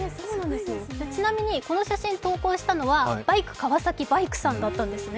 ちなみに、この写真を投稿したのはバイク川崎バイクさんなんですね。